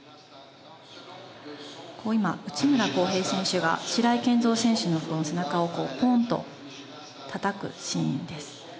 今内村航平選手が白井健三選手の背中をポンッとたたくシーンです。